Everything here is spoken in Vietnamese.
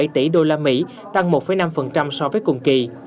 bảy mươi bảy tỷ usd tăng một năm so với cùng kỳ